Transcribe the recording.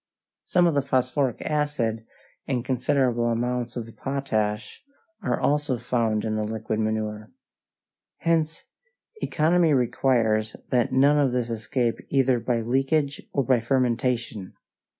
Some of the phosphoric acid and considerable amounts of the potash are also found in the liquid manure. Hence economy requires that none of this escape either by leakage or by fermentation.